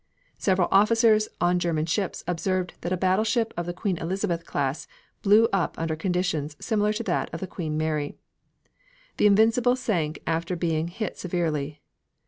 Several officers on German ships observed that a battleship of the Queen Elizabeth class blew up under conditions similar to that of the Queen Mary. The Invincible sank after being hit severely.